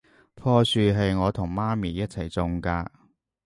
樖樹係我同媽咪一齊種㗎